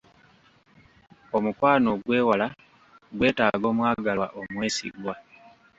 Omukwano ogw'ewala gwetaaga omwagalwa omwesigwa.